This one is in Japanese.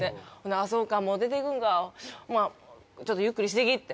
「あぁそうかもう出て行くんかちょっとゆっくりしてき」って。